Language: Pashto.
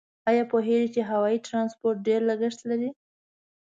آیا پوهیږئ چې هوایي ترانسپورت ډېر لګښت لري؟